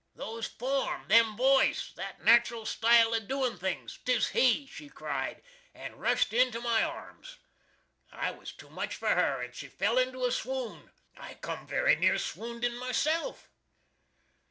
"Those form! Them voice! That natral stile of doin things! 'Tis he!" she cried, and rushed into my arms. It was too much for her & she fell into a swoon. I cum very near swoundin myself.